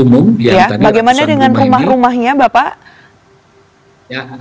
bagaimana dengan rumah rumahnya bapak